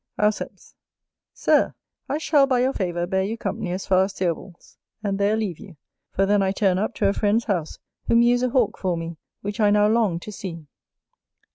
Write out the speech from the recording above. Auceps. Sir, I shall by your favour bear you company as far as Theobalds, and there leave you; for then I turn up to a friend's house, who mews a Hawk for me, which I now long to see.